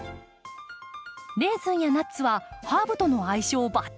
レーズンやナッツはハーブとの相性バッチリ！